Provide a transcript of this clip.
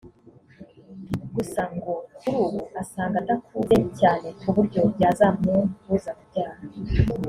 gusa ngo kuri ubu asanga adakuze cyane ku buryo byazamubuza kubyara